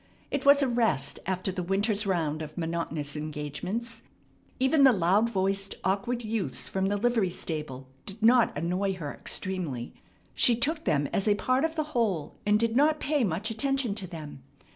It was a rest after the winter's round of monotonous engagements. Even the loud voiced awkward youths from the livery stable did not annoy her extremely. She took them as a part of the whole, and did not pay much attention to them.